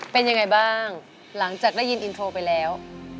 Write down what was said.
เป็นยังไงบ้างหลังจากได้ยินอินโทรไปแล้ว